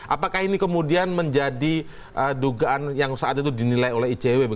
apakah ini kemudian menjadi dugaan yang saat itu dinilai oleh icw